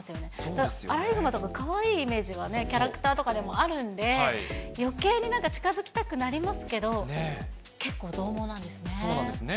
だからアライグマとかかわいいイメージがね、キャラクターとかでもあるんで、よけいになんか近づきたくなりますけど、そうなんですね。